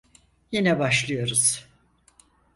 Yine başlıyoruz.